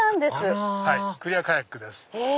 あらクリアカヤックです。